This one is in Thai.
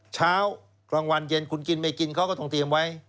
เช้ากลางวันเย็นคุณกินไม่กินเขาก็ต้องเตรียมไว้